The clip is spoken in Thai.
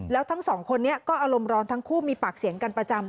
แล้วทั้งสองคนนี้ก็อารมณ์ร้อนทั้งคู่มีปากเสียงกันประจำ